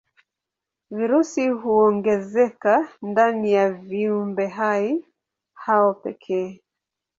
Virusi huongezeka ndani ya viumbehai hao pekee.